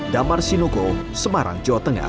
damar sinuko semarang jawa tengah